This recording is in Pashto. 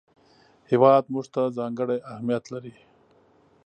هېواد موږ ته ځانګړی اهمیت لري